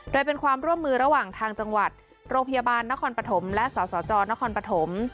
โดยเป็นความร่วมมือระหว่างทางจังหวัดโรงพยาบาลนครปฐมและสสจนครปฐม